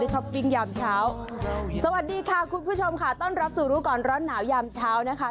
ช้อปปิ้งยามเช้าสวัสดีค่ะคุณผู้ชมค่ะต้อนรับสู่รู้ก่อนร้อนหนาวยามเช้านะคะ